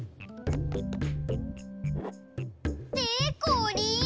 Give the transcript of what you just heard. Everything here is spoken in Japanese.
でこりん！